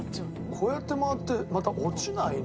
こうやって回ってまた落ちないね。